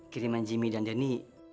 kiriman jimmy dan denny